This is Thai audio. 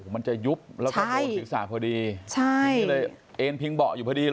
มันจะยุบแล้วก็ดูศึกษาพอดี